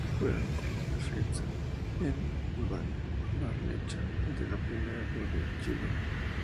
Juega como defensa en Barnechea de la Primera B de Chile.